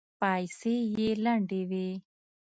پايڅې يې لندې وې.